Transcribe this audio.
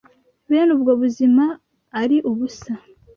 bene ubwo buzima ari ubusa